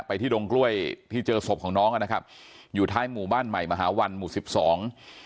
ที่ดงกล้วยที่เจอศพของน้องอ่ะนะครับอยู่ท้ายหมู่บ้านใหม่มหาวันหมู่สิบสอง